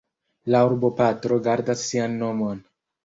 La urboparto gardas sian nomon.